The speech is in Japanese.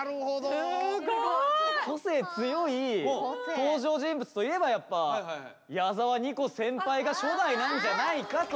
すごい！個性強い登場人物といえばやっぱ矢澤にこ先輩が初代なんじゃないかと。